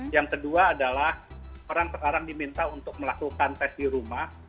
yang kedua adalah orang sekarang diminta untuk melakukan tes di rumah